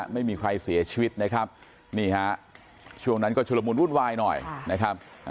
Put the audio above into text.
ไม่มีใครเสียชีวิตนะครับนี่ฮะช่วงนั้นก็ชุดละมุนวุ่นวายหน่อยนะครับ